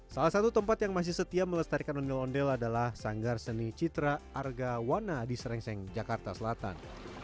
salah satu tempat yang masih setia melestarikan ondel ondel adalah sanggar seni citra argawana di serengseng jakarta selatan